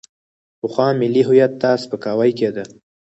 پخوا ملي هویت ته سپکاوی کېده.